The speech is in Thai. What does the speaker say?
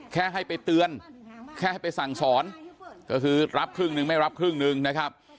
แค่ให้ไปเตือนแค่ให้ไปสั่งสอนก็คือรับครึ่งนึงไม่รับครึ่งหนึ่งนะครับ